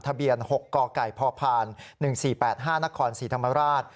ทะเบียน๖กไก่พพ๑๔๘๕นครศรีธรรมราช